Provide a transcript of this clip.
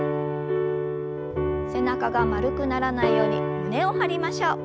背中が丸くならないように胸を張りましょう。